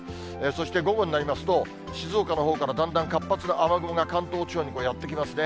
そして午後になりますと、静岡のほうからだんだん活発な雨雲が関東地方にやって来ますね。